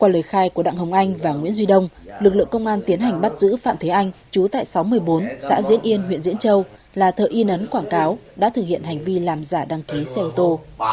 lời khai của đặng hồng anh và nguyễn duy đông lực lượng công an tiến hành bắt giữ phạm thế anh chú tại xóm một mươi bốn xã diễn yên huyện diễn châu là thợ in ấn quảng cáo đã thực hiện hành vi làm giả đăng ký xe ô tô